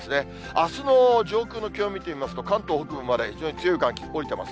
あすの上空の気温見てみますと、関東北部まで非常に強い寒気下りてます。